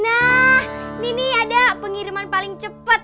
nah nih nih ada pengiriman paling cepet